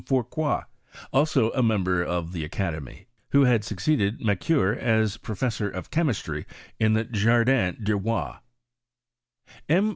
Four croy, also a member of the academy, who had snc ceeded Macquer as professor of chemistry in the Jardin du Roi. M.